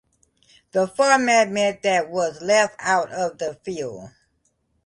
The format meant that was left out of the field.